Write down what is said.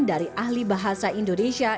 dari ahli bahasa indonesia